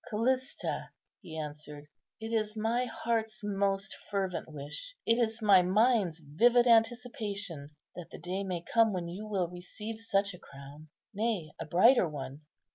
"Callista," he answered, "it is my heart's most fervent wish, it is my mind's vivid anticipation, that the day may come when you will receive such a crown, nay, a brighter one."